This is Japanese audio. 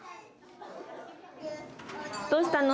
どうしたの？